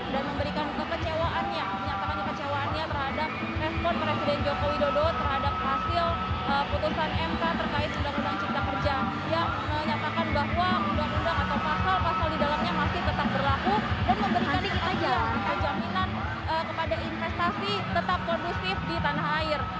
dan memberikan kejaminan kepada investasi tetap kondusif di tanah air